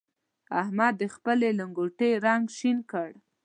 احمد د خپلې لنګوټې رنګ شين کړ.